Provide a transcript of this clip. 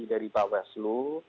dari mbak waslu